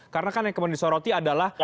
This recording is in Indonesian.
karena kan yang kemudian disoroti adalah